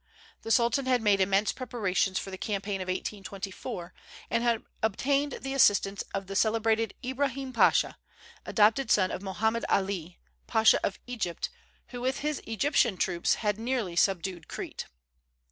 The Sultan had made immense preparations for the campaign of 1824, and had obtained the assistance of the celebrated Ibrahim Pasha, adopted son of Mohammed Ali, Pasha of Egypt, who with his Egyptian troops had nearly subdued Crete.